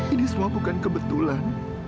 ini semua bukan kebetulan